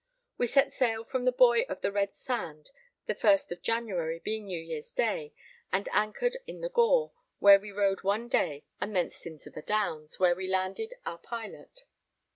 We set sail from the buoy of the Red Sand the first of January, being New Year's Day, and anchored in the Gore, where we rode one day, and thence into the Downs, where we landed our pilot.